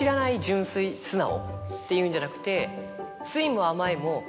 っていうんじゃなくて。